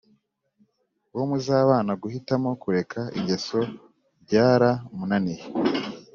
uwo muzabana guhitamo kureka ingeso byara mu naniye